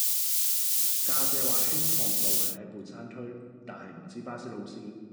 家姐話興漢道係喺半山區但係唔知巴士路線